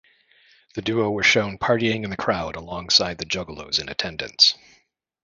The duo were shown partying in the crowd alongside the Juggalos in attendance.